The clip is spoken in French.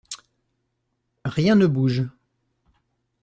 Rien ne bouge.